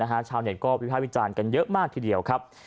แน่นอนนะฮะชาวเห็นก็บริษัทวิจารณ์กันเยอะมากทีเดียวครับ